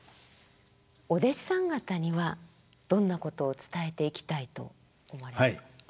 お弟子さん方にはどんなことを伝えていきたいと思われますか？